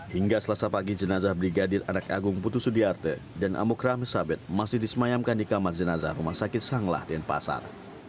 hingga selasa pagi jenazah brigadir anak agung putus sudiata dan amok rame sabit masih disemayamkan di kamar jenazah rumah sakit sanglah dan pasar